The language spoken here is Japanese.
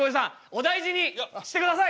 お大事にしてください！